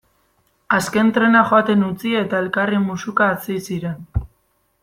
Azken trena joaten utzi eta elkarri musuka hasi ziren.